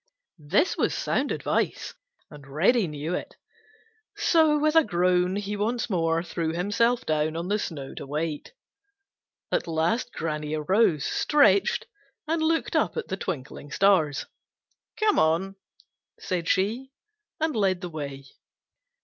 This was sound advice, and Reddy knew it. So with a groan he once more threw himself down on the snow to wait. At last Granny arose, stretched, and looked up at the twinkling stars. "Come on," said she and led the way.